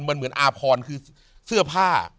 มันเหมือนอาพรคือเสื้อผ้า